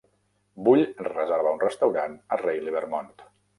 Vull reservar un restaurant a Reily Vermont.